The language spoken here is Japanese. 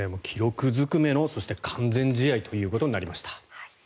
記録ずくめのそして、完全試合ということになりました。